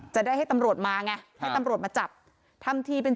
ใช่พี่ตัวเลยเอาเนี้ยไม่ก่อนทำไมไม่ได้กรอด